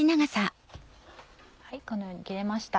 このように切れました。